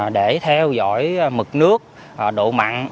để theo dõi mực nước độ mặn